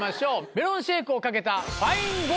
メロンシェークをかけた。